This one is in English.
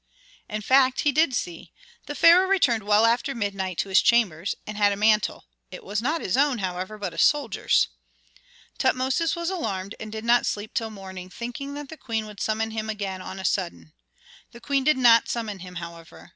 In fact he did see. The pharaoh returned well after midnight to his chambers, and had a mantle; it was not his own, however, but a soldier's. Tutmosis was alarmed and did not sleep till morning, thinking that the queen would summon him again on a sudden. The queen did not summon him, however.